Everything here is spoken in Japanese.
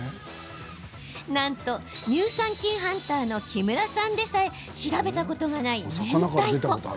なんと乳酸菌ハンターの木村さんでさえ調べたことがない、めんたいこ。